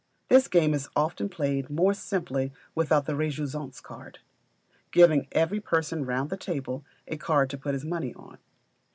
This game is often played more simply without the rejouissance card, giving every person round the table a card to put his money on.